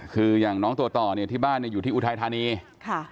คืออย่างน้องตัวต่อเนี่ยที่บ้านเนี่ยอยู่ที่อุทัยธานีค่ะ